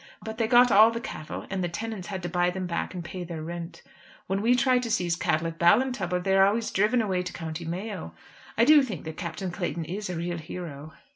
But they got all the cattle, and the tenants had to buy them back and pay their rent. When we try to seize cattle at Ballintubber they are always driven away to County Mayo. I do think that Captain Clayton is a real hero."